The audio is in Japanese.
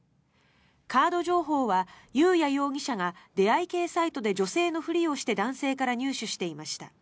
カード情報は裕也容疑者が出会い系サイトで女性のふりをして男性から入手していました。